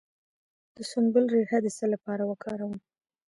د سنبل ریښه د څه لپاره وکاروم؟